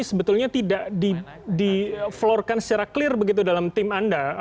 sebetulnya tidak di floorkan secara clear begitu dalam tim anda